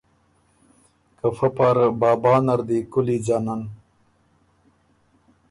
که فۀ پاره ”بابا“ نر دی کُولی ځنن،